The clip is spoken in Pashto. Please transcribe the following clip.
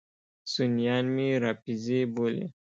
سنیان مې رافضي بولي.